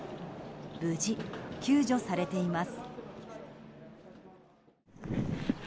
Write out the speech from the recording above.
無事救助されています。